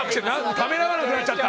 ためらわなくなっちゃった。